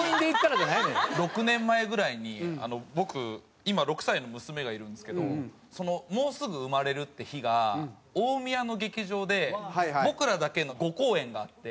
６年前ぐらいに僕今６歳の娘がいるんですけどもうすぐ生まれるって日が大宮の劇場で僕らだけの５公演があって。